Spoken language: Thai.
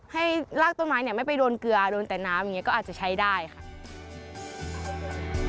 ให้รากต้นไม้ไม่ไปโดนเกลือโดนแต่น้ำนี่ก็อาจจะใช้ได้ค่ะ